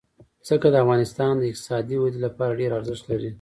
ځمکه د افغانستان د اقتصادي ودې لپاره ډېر ارزښت لري.